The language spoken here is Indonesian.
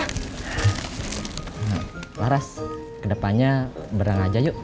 nah laras kedepannya berang aja yuk